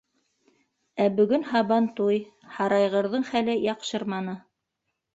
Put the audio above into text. Ә бөгөн һабантуй, һарайғырҙың хәле яҡшырманы.